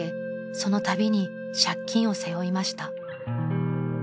その度に借金を背負いました］